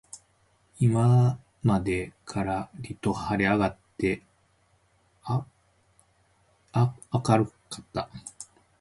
今までからりと晴はれ上あがって明あかるかった